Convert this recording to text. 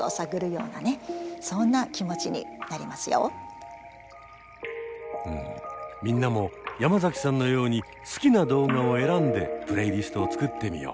うんみんなも山崎さんのように好きな動画を選んでプレイリストを作ってみよう。